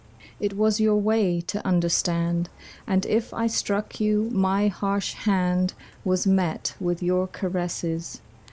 It was your way to understand. And if I struck you, my harsh hand Was met with your caresses.